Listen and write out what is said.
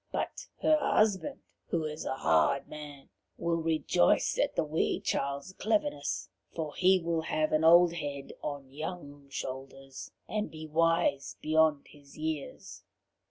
But her husband, who is a hard man, will rejoice at the wee child's cleverness. For he will have an old head on young shoulders, and be wise beyond his years."